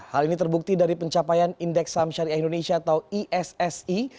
hal ini terbukti dari pencapaian indeks saham syariah indonesia atau issi